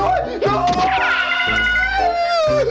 หน่วย